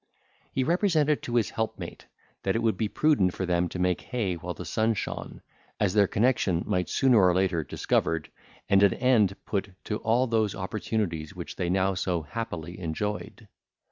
He represented to his helpmate, that it would be prudent for them to make hay while the sun shone, as their connexion might be sooner or later discovered, and an end put to all those opportunities which they now so happily enjoyed.